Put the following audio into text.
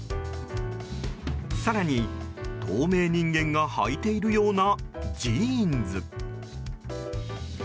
更に、透明人間がはいているようなジーンズ。